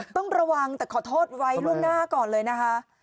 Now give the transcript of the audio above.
ต้องระวังแต่ขอโทษไว้ล่วงหน้าก่อนเลยนะคะ